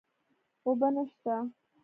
اوبه نشته